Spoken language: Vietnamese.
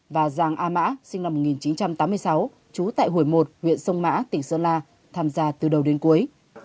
và giàng a mã sinh năm một nghìn chín trăm tám mươi sáu trú tại hồi một huyện sông mã tỉnh sơn la tham gia từ đầu đến cuối